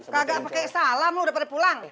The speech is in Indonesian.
kagak pakai salam loh udah pada pulang